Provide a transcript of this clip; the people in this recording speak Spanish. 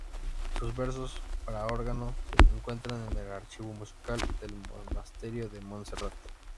Sus "Versos" para órgano se encuentran en el Archivo Musical del Monasterio de Montserrat.